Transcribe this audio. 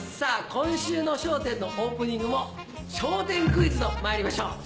今週の『笑点』のオープニングも。とまいりましょう。